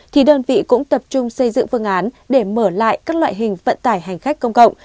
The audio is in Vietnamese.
thì đơn vị cũng tập trung xây dựng phương án để mở lại các loại hình vận tải hành khách công cộng